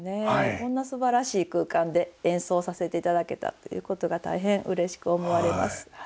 こんなすばらしい空間で演奏させていただけたっていうことが大変うれしく思われます。